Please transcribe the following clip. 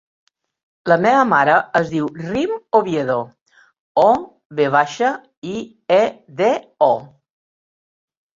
La meva mare es diu Rym Oviedo: o, ve baixa, i, e, de, o.